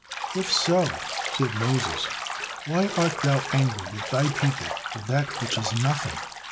"If so," said Moses, "why art Thou angry with Thy people for that which is nothing?"